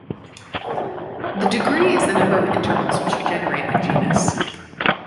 The "degree" is the number of intervals which generate a genus.